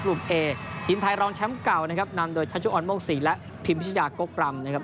เอทีมไทยรองแชมป์เก่านะครับนำโดยชัชชุออนโมกศรีและพิมพิชยากกรำนะครับ